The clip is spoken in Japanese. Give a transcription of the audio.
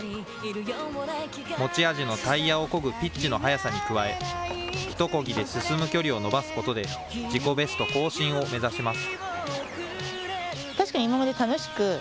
持ち味のタイヤをこぐピッチの速さに加え、一こぎで進む距離を伸ばすことで、自己ベスト更新を目指します。